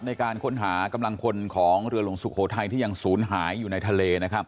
ในการค้นหากำลังพลของเรือหลวงสุโขทัยที่ยังศูนย์หายอยู่ในทะเลนะครับ